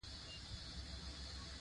افغانستان له دځنګل حاصلات ډک دی.